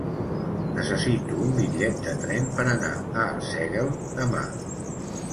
Necessito un bitllet de tren per anar a Arsèguel demà.